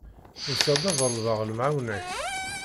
Usiɣ-d ad ḍelbeɣ lemεawna-k.